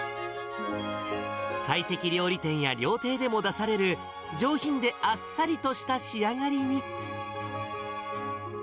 懐石料理店や料亭でも出される、上品であっさりした仕上がりに。